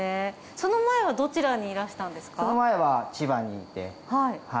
その前はどちらにいらしたんですか？